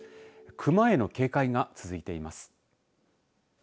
クマへの警戒が続いています。